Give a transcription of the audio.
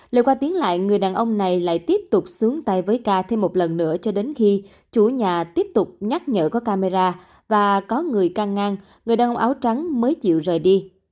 lời qua tiếng lại người đàn ông này lại tiếp tục xuống tay với ca thêm một lần nữa cho đến khi chủ nhà tiếp tục nhắc nhở có camera và có người can ngang người đau áo trắng mới chịu rời đi